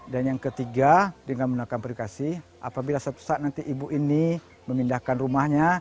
dan yang ketiga dengan menggunakan pabrikasi apabila sepsak nanti ibu ini memindahkan rumahnya